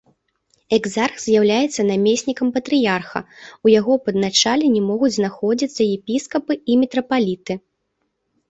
Экзарх з'яўляецца намеснікам патрыярха, у яго падначаленні могуць знаходзіцца епіскапы і мітрапаліты.